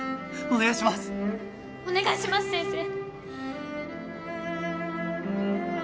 お願いします先生！